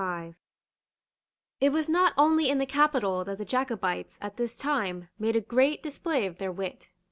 It was not only in the capital that the Jacobites, at this time, made a great display of their wit.